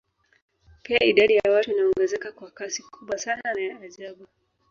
Pia idadi ya watu inaongezeka kwa kasi kubwa sana na ya ajabu